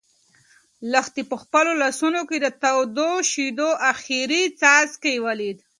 لښتې په خپلو لاسو کې د تودو شيدو اخري څاڅکی ولید.